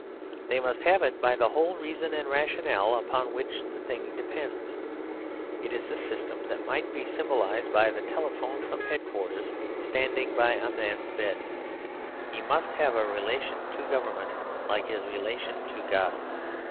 They must have it, by the whole reason and rationale upon which the thing depends. It is a system that might be symbolised by the telephone from headquarters standing by a man's bed. He must have a relation to Government like his relation to God.